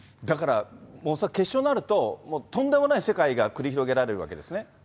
だから、恐らく決勝になると、とんでもない世界が繰り広げられるわけですね。